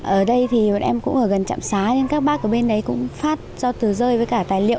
ở đây thì bọn em cũng ở gần trạm xá nên các bác ở bên đấy cũng phát ra từ rơi với cả tài liệu